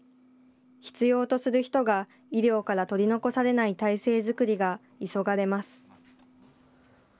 必要とする人が医療から取り残されない体制作りが急がれます。